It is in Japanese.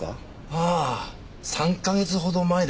あぁ３か月ほど前です。